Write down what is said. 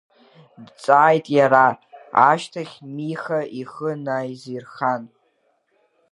Дҵааит иара, ашьҭахь Миха ихы наизирхан.